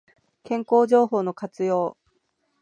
健康情報の活用